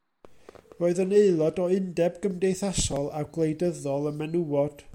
Roedd yn aelod o Undeb Cymdeithasol a Gwleidyddol y Menywod.